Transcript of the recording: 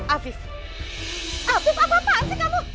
afif afif apa apaan sih kamu